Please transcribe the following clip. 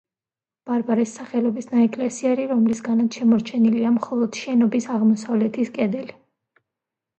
ბარბარეს სახელობის ნაეკლესიარი, რომლისგანაც შემორჩენილია მხოლოდ შენობის აღმოსავლეთის კედელი.